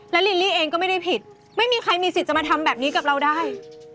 ลิลลี่เองก็ไม่ได้ผิดไม่มีใครมีสิทธิ์จะมาทำแบบนี้กับเราได้